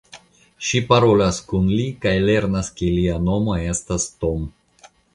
Ŝi parolas kun li kaj lernas ke lia nomo estas Tom.